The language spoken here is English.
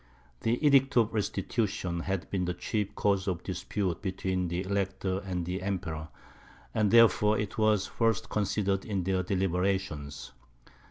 The Edict of Restitution had been the chief cause of dispute between the Elector and the Emperor; and therefore it was first considered in their deliberations.